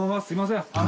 すみません。